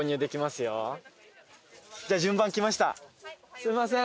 すみません